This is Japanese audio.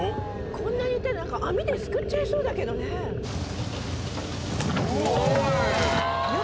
こんなにいたら何か網ですくっちゃえそうだけどねオイッ！